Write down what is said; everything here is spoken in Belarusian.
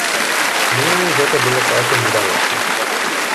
Ну, гэта было цалкам відавочна.